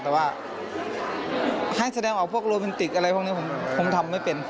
แต่ว่าให้แสดงออกพวกโรแมนติกอะไรพวกนี้ผมทำไม่เป็น